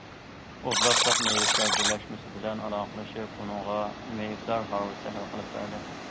ئوبلاستلىق مېيىپلەر بىرلەشمىسى بىلەن ئالاقىلىشىپ، ئۇنىڭغا مېيىپلەر ھارۋىسى ھەل قىلىپ بەردى.